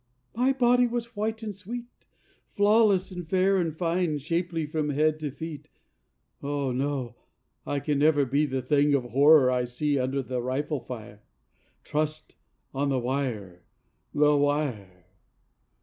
My body was white and sweet, Flawless and fair and fine, Shapely from head to feet; Oh no, I can never be The thing of horror I see Under the rifle fire, Trussed on the wire ... the wire.